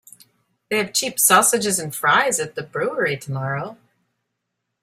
They have cheap sausages and fries at the brewery tomorrow.